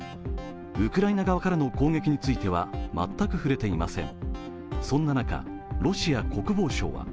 ウクライナ側からの攻撃については全く触れていません。